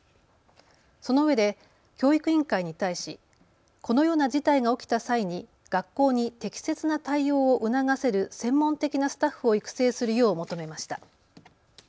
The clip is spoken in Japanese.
そのうえで教育委員会に対しこのような事態が起きた際に学校に適切な対応を促せる専門的なスタッフを育成するよう求めました。